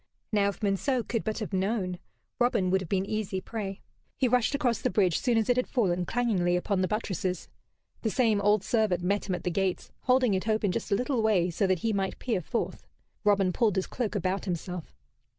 Now, if Monceux could but have known, Robin would have been easy prey. He rushed across the bridge soon as it had fallen, clangingly, upon the buttresses. The same old servant met him at the gates, holding it open just a little way so that he might peer forth. Robin pulled his cloak about himself.